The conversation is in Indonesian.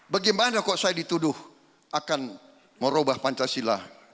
bagaimana kok saya dituduh akan merubah pancasila